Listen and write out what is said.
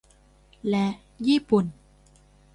และญี่ปุ่น